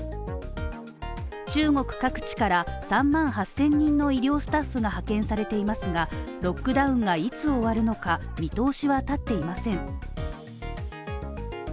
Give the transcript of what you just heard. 中国各地から３万８０００人の医療スタッフが派遣されていますがロックダウンがいつ終わるのか見通しは立っていません。